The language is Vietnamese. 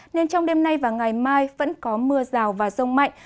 nên trong đêm nay và ngày mai vẫn có mưa rào và rông mạnh